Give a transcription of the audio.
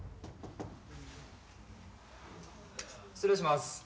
失礼します。